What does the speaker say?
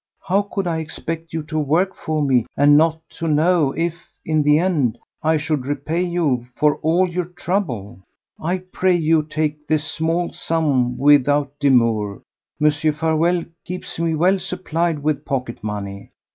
How could I expect you to work for me and not to know if, in the end, I should repay you for all your trouble? I pray you to take this small sum without demur. Mr. Farewell keeps me well supplied with pocket money.